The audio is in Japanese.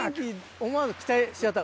思わず期待しちゃった。